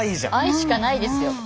愛しかないですよ。